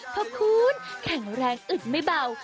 เพราะคุณแข็งแรงอึดไม่เบา